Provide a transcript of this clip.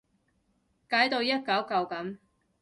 解到一舊舊噉